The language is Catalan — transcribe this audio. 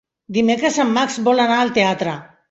Dimecres en Max vol anar al teatre.